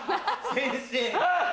先生。